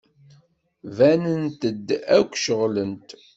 Banent-d akk ceɣlent.